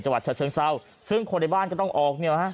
จังหวัดฉะเซิงเศร้าซึ่งคนในบ้านก็ต้องออกเนี่ย